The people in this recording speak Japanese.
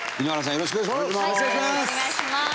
よろしくお願いします！